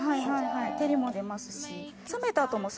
照りも出ますし。